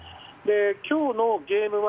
今日のゲーム１。